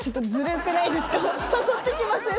誘ってきません？